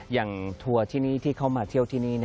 ทัวร์ที่นี่ที่เขามาเที่ยวที่นี่